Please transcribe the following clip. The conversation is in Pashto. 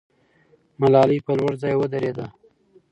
ملالۍ په لوړ ځای ودرېده.